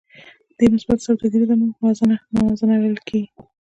دې ته مثبته سوداګریزه موازنه ویل کېږي